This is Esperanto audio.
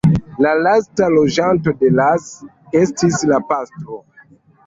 La lasta loĝanto de Las estis la pastro.